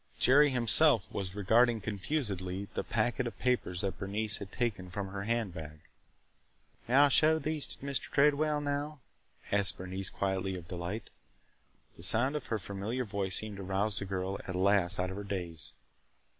Jerry himself was regarding confusedly the packet of papers that Bernice had taken from her hand bag. "May I show these to Mr. Tredwell now?" asked Bernice quietly of Delight. The sound of her familiar voice seemed to rouse the girl at last out of her daze.